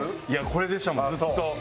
これでしたもんずっと。